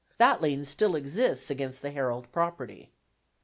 That lien still exists against the Herald property.